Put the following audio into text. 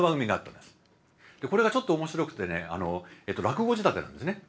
でこれがちょっと面白くてね落語仕立てなんですね。